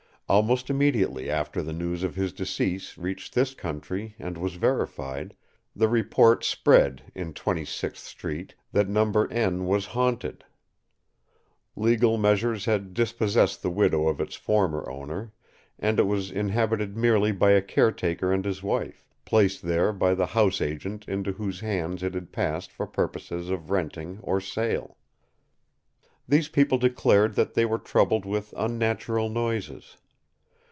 Almost immediately after the news of his decease reached this country and was verified, the report spread in Twenty sixth Street that No. — was haunted. Legal measures had dispossessed the widow of its former owner, and it was inhabited merely by a care taker and his wife, placed there by the house agent into whose hands it had passed for purposes of renting or sale. These people declared that they were troubled with unnatural noises.